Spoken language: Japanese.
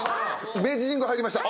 明治神宮入りました。